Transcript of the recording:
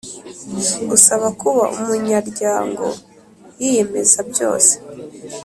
Usaba kuba umunyaryango yiyemeza byose